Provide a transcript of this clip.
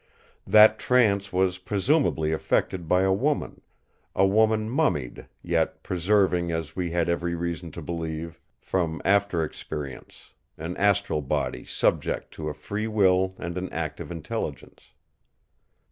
That trance was presumably effected by a woman; a woman mummied, yet preserving as we had every reason to believe from after experience, an astral body subject to a free will and an active intelligence.